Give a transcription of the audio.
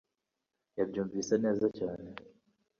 nabyumvise neza cyane